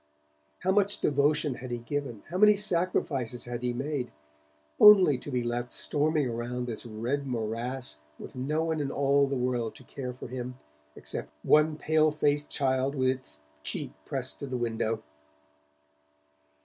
How much devotion had he given, how many sacrifices had he made, only to be left storming around this red morass with no one in all the world to care for him except one pale faced child with its cheek pressed to the window!